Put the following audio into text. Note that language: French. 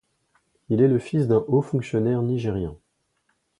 Il est le fils d'un haut fonctionnaire nigérien.